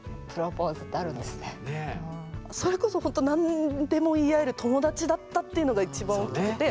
それこそほんと何でも言い合える友達だったっていうのがいちばん大きくて。